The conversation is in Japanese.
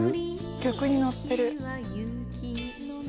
曲にのってる。